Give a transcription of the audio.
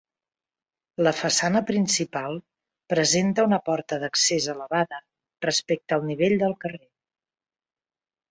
La façana principal presenta una porta d'accés elevada respecte al nivell del carrer.